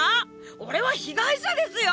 俺は被害者ですよ！